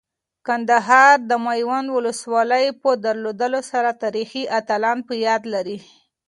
کندهار د میوند ولسوالۍ په درلودلو سره تاریخي اتلان په یاد لري.